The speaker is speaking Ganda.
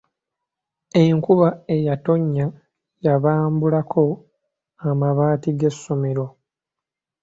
Enkuba eyatonnya yabambulako amabaati g'essomero.